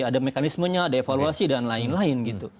ada mekanismenya ada evaluasi dan lain lain gitu